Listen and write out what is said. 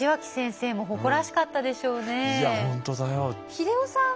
英世さん